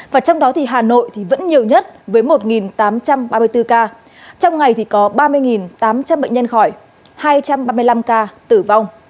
và trong đó thì hà nội thì vẫn nhiều nhất với một tám trăm ba mươi bốn ca trong ngày thì có ba mươi tám trăm linh bệnh nhân khỏi hai trăm ba mươi năm ca tử vong